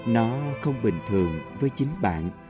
nó không bình thường với chính bạn